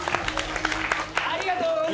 ありがとうございます。